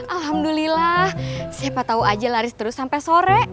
alhamdulillah siapa tahu aja laris terus sampai sore